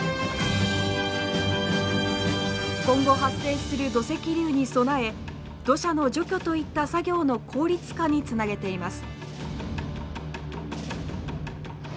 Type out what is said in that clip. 今後発生する土石流に備え土砂の除去といった作業の効率化につなげています。